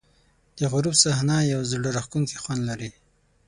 د غروب صحنه یو زړه راښکونکی خوند لري.